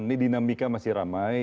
ini dinamika masih ramai